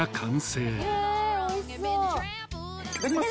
いただきます。